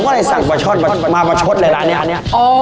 ผมก็เลยสั่งบัตรชดมาบัตรชดเลยร้านนี้